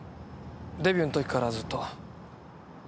デビューの時からずっと。